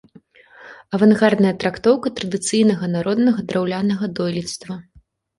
Авангардная трактоўка традыцыйнага народнага драўлянага дойлідства.